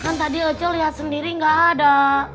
kan tadi ecil lihat sendiri gak ada